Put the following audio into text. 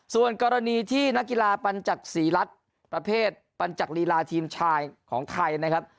ส่วนกรณีที่นักกีฬาปัญจักษีรัฐประเภทปัญจักรีลาทีมชายของไทยนะครับ